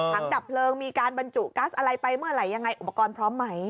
ดับเพลิงมีการบรรจุกัสอะไรไปเมื่อไหร่ยังไงอุปกรณ์พร้อมไหม